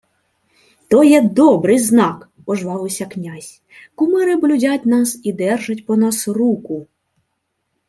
— То є добрий знак, — ожвавився князь. — Кумири блюдять нас і держать по нас руку.